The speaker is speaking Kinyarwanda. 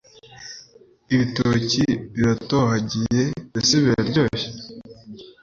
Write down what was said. ibitoki biratohagiye mbese biraryoshye